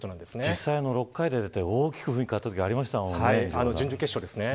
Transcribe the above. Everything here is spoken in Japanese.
実際に６回出て大きく雰囲気が変わったときありましたもんね。